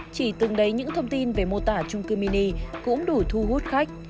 chỉ từng đấy những thông tin về mô tả trung cư mini cũng đủ thu hút khách